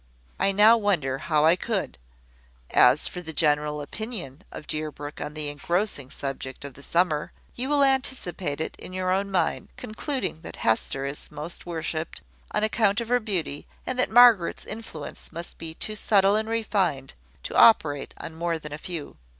I now wonder how I could. As for the `general opinion' of Deerbrook on the engrossing subject of the summer, you will anticipate it in your own mind, concluding that Hester is most worshipped, on account of her beauty, and that Margaret's influence must be too subtle and refined to operate on more than a few.